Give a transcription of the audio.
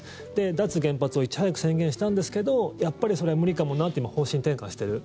脱原発をいち早く宣言したんですけどやっぱりそれは無理かもなって今、方針転換している。